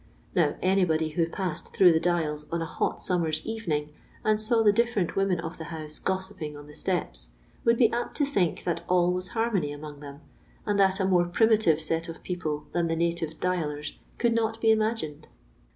" Now any body who passed through the Dials on a hot summer's evening, and saw the different women of the house gossiping on the steps, would be apt to think that all was harmony among them, and that a more primitive set of people than the native Diallers could not be imagined.